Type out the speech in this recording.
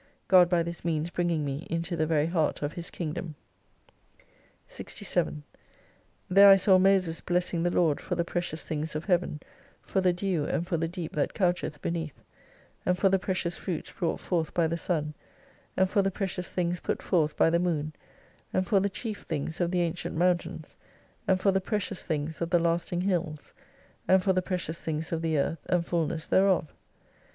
God by this means bringing me into the very heart of His Kingdom. 67 There I saw Moses blessing the Lord for the precious things of Heaven, for the dew and for the deep that coucheth beneath : and for the precious fruits brought forth by the Sun, and for the precious things put forth by the moon: and for the chief things of the ancient mountains, and for the precious tilings of the lasting hills ; and for the precious things of the earth, and fulness thereof.